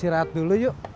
istirahat dulu yuk